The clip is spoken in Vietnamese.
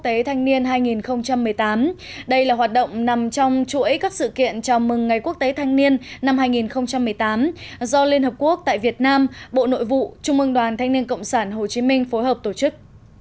đây là hành động của bộ quốc tế thanh niên hai nghìn một mươi tám đây là hoạt động nằm trong chuỗi các sự kiện chào mừng ngày quốc tế thanh niên năm hai nghìn một mươi tám do liên hợp quốc tại việt nam bộ nội vụ trung mương đoàn thanh niên cộng sản hồ chí minh phối hợp tổ chức